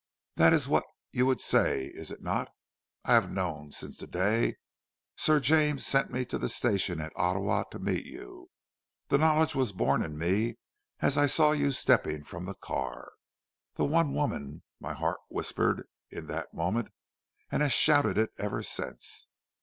That is what you would say, is it not? I have known since the day Sir James sent me to the station at Ottawa to meet you. The knowledge was born in me as I saw you stepping from the car. The one woman my heart whispered it in that moment, and has shouted it ever since.